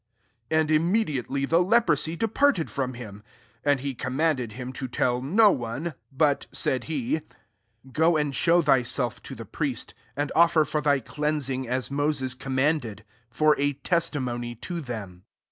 '' And immedi ately the leprosy departed from him. 14 And he commanded him to tell no one : but, said he, ^* go and show thyself to the priest, and oflPer for thy cleans ing as Moses commanded ; for a testimony to them."